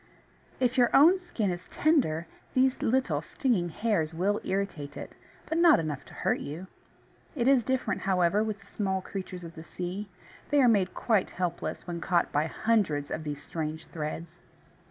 If your own skin is tender, these little stinging hairs will irritate it, but not enough to hurt you. It is different, however, with the small creatures of the sea. They are made quite helpless when caught by hundreds of these strange threads.